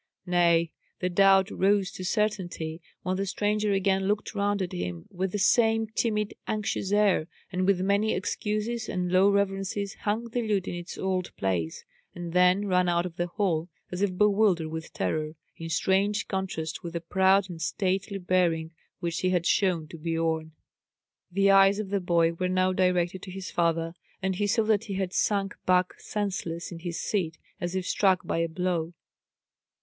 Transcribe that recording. Nay, the doubt rose to certainty, when the stranger again looked round at him with the same timid, anxious air, and with many excuses and low reverences hung the lute in its old place, and then ran out of the hall as if bewildered with terror, in strange contrast with the proud and stately bearing which he had shown to Biorn. The eyes of the boy were now directed to his father, and he saw that he had sunk back senseless in his seat, as if struck by a blow.